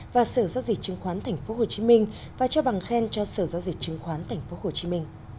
và sở giao dịch chứng khoán tp hcm và trao bằng khen cho sở giao dịch chứng khoán tp hcm